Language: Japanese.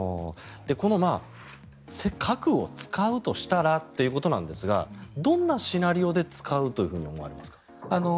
この核を使うとしたらということなんですがどんなシナリオで使うと思われますか。